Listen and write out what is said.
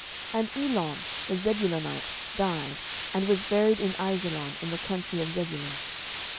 07:012:012 And Elon the Zebulonite died, and was buried in Aijalon in the country of Zebulun.